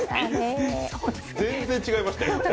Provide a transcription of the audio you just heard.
全然違いましたよ。